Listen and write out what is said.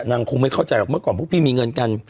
คงไม่เข้าใจหรอกเมื่อก่อนพวกพี่มีเงินกัน